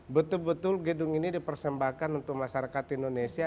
betul betul gedung ini dipersembahkan untuk masyarakat indonesia